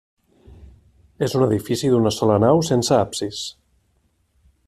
És un edifici d'una sola nau sense absis.